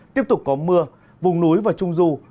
tiếp tục có mưa vùng núi và trung du